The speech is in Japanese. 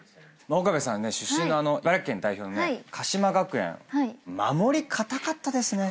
岡部さん出身の茨城県代表の鹿島学園守り堅かったですね。